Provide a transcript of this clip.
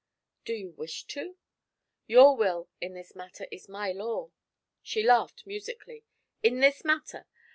'Do you wish to?' 'Your will in this matter is my law.' She laughed musically. '"In this matter?"